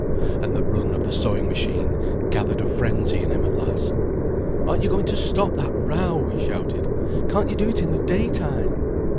And the run of the sewing machine gathered a frenzy in him at last. "Aren't you going to stop that row?" he shouted. "Can't you do it in the daytime?"